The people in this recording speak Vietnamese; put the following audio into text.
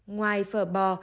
ngoài phở bò